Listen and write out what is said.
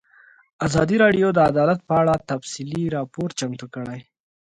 ازادي راډیو د عدالت په اړه تفصیلي راپور چمتو کړی.